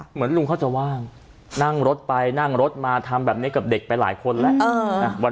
เหมือนลุงเขาจะว่างนั่งรถไปนั่งรถมาทำแบบนี้กับเด็กไปหลายคนแล้ว